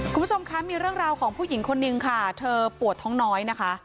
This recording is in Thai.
คุณผู้ชมคะมีเรื่องราวของผู้หญิงคนนึงค่ะเธอปวดท้องน้อยนะคะ